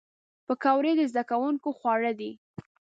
پکورې د زدهکوونکو خواړه دي